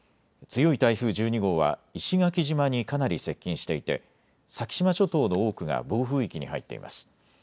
強い台風１２号は石垣島にかなり接近していて先島諸島の多くが暴風域に入ってます。